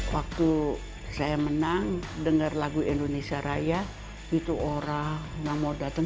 waktu saya menang dengar lagu indonesia raya itu orang nggak mau datang